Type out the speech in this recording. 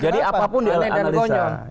jadi apapun dia analisa